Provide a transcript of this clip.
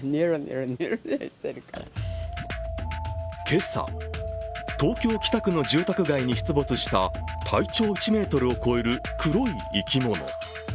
今朝、東京・北区の住宅街に出没した体長１ｍを超える黒い生き物。